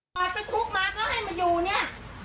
จะทุกมาร์คเล่าให้มาอยู่เนี่ย